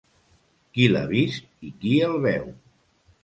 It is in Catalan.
Qui l'ha vist i qui el veu!